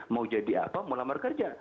mau jadi apa mau lamar kerja